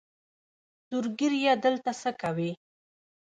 سور ږیریه دلته څۀ کوې؟